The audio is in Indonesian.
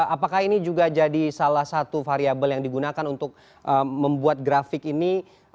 apakah ini juga jadi salah satu variable yang digunakan untuk membuat grafik ini